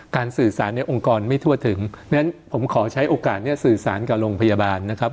สื่อสารในองค์กรไม่ทั่วถึงเพราะฉะนั้นผมขอใช้โอกาสนี้สื่อสารกับโรงพยาบาลนะครับ